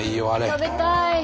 食べたい。